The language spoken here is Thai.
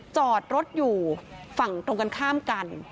จอดรถอยู่ฝั่งตรงกันข้ามกัน